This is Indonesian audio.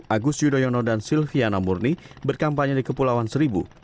agus yudhoyono dan silviana murni berkampanye di kepulauan seribu